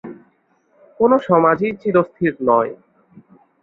কোনো সমাজই চিরস্থির নয়।